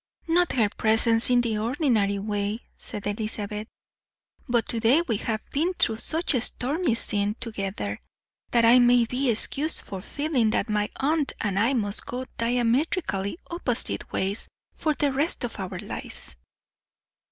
"Not her presence in the ordinary way," said Elizabeth; "but to day we have been through such a stormy scene together, that I may be excused for feeling that my aunt and I must go diametrically opposite ways for the rest of our lives."